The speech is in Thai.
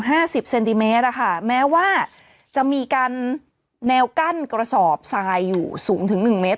สิบเซนติเมตรอะค่ะแม้ว่าจะมีการแนวกั้นกระสอบทรายอยู่สูงถึงหนึ่งเมตร